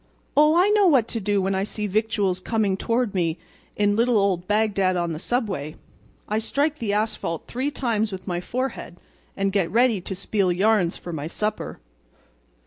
Oh, I know what to do when I see victuals coming toward me in little old Bagdad on the Subway. I strike the asphalt three times with my forehead and get ready to spiel yarns for my supper.